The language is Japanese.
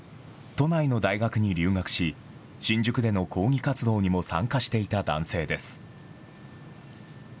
都内の大学に留学し、新宿での抗議活動にも参加していた男性です。